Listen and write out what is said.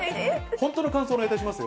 本当の感想をお願いいたしますよ。